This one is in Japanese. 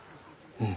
うん。